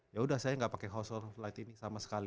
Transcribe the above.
yaudah saya gak pakai house light ini sama sekali